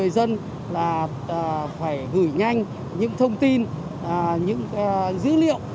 để nhanh những thông tin những dữ liệu